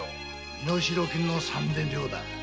身代金の三千両だ。